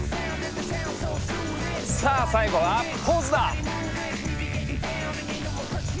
さあ最後はポーズだ！